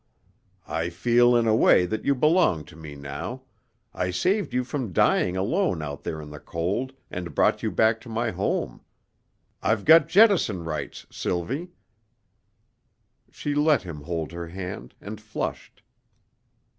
"I feel in a way that you belong to me now I saved you from dying alone there in the cold and brought you back to my home. I've got jettison rights, Sylvie." She let him hold her hand, and flushed.